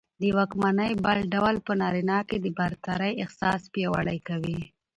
د واکمنۍ بل ډول په نارينه کې د برترۍ احساس پياوړى کوي